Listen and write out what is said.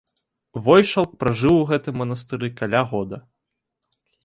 Войшалк пражыў у гэтым манастыры каля года.